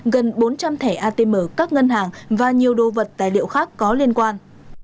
gần bốn trăm linh thẻ atm các ngân hàng và nhiều đồ vật tài liệu khác có liên quan